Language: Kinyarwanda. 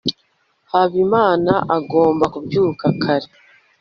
habimana agomba kubyuka kare